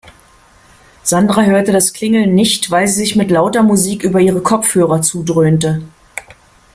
Sandra hörte das Klingeln nicht, weil sie sich mit lauter Musik über ihre Kopfhörer zudröhnte.